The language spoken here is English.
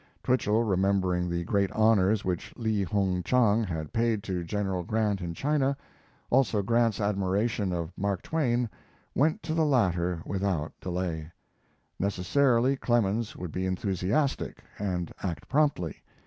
Twichell, remembering the great honors which Li Hung Chang had paid to General Grant in China, also Grant's admiration of Mark Twain, went to the latter without delay. Necessarily Clemens would be enthusiastic, and act promptly.